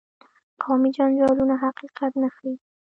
قومي جنجالونه حقیقت نه ښيي.